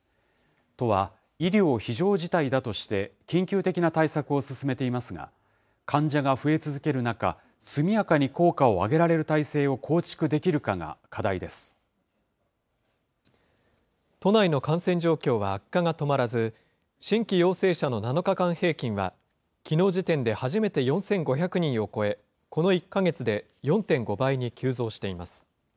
都は、医療非常事態だとして緊急的な対策を進めていますが、患者が増え続ける中、速やかに効果を上げられる体制を構築できるかが課題で都内の感染状況は悪化が止まらず、新規陽性者の７日間平均は、きのう時点で初めて４５００人を超え、この１か月で４．５倍に急増しています。